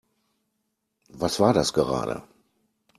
Was war das gerade?